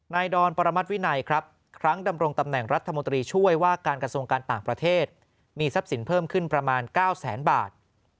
ดอนปรมัติวินัยครับครั้งดำรงตำแหน่งรัฐมนตรีช่วยว่าการกระทรวงการต่างประเทศมีทรัพย์สินเพิ่มขึ้นประมาณ๙แสนบาท